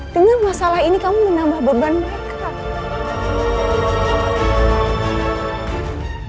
dengan masalah ini kamu menambah beban mereka